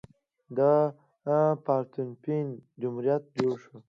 د پارتنوپین جمهوریت جوړ شو.